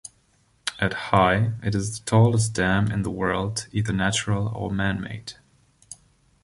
At high, it is the tallest dam in the world, either natural or man-made.